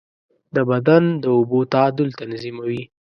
د بدن د اوبو تعادل تنظیموي.